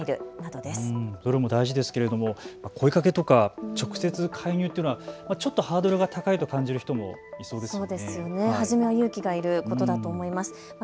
どれも大事ですけれども声かけとか直接介入というのはちょっとハードルが高いと感じる人もいそうですよね。